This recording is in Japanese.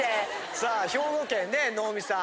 さあ兵庫県ね能見さん。